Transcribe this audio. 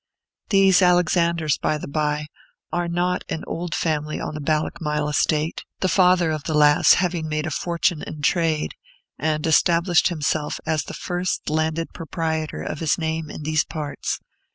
These Alexanders, by the by, are not an old family on the Ballochmyle estate; the father of the lass having made a fortune in trade, and established himself as the first landed proprietor of his name in these parts.